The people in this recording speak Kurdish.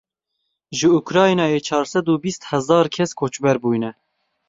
Ji Ukraynayê çar sed û bîst hezar kes koçber bûne.